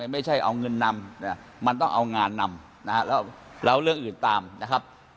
ไม่ใช่เอาเงินนำมันต้องเอางานนำนะฮะแล้วเรื่องอื่นตามนะครับ